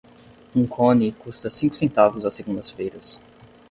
Um cone custa cinco centavos às segundas-feiras.